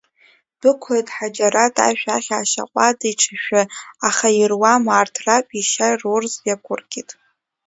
Ддәықәлеит Ҳаџьараҭ ашә ахь ашьаҟәада иҿашәы, аха ируам арҭ, раб ишьа рурц иақәыркит.